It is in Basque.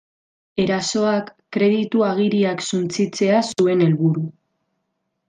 Erasoak kreditu-agiriak suntsitzea zuen helburu.